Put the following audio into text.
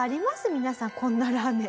皆さんこんなラーメン。